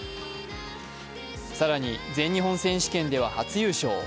更に全日本選手権では初優勝。